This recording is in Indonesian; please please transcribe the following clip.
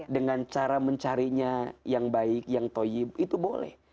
dengan cara mencarinya yang baik yang toyib itu boleh